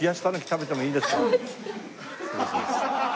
失礼します。